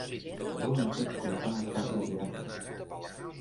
No em pots culpar per retirar-me.